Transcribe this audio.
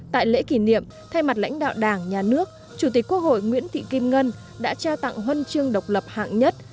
tại lễ kỷ niệm thay mặt lãnh đạo đảng nhà nước chủ tịch quốc hội nguyễn thị kim ngân đã trao tặng huân chương độc lập hạng nhất